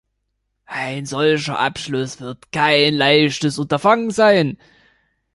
Ein solcher Abschluss wird kein leichtes Unterfangen sein.